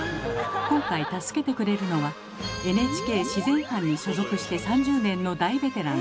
今回助けてくれるのはＮＨＫ自然班に所属して３０年の大ベテラン。